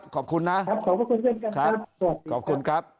ขอบคุณเพื่อนกัน